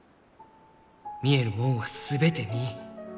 見えるもんは全て見い。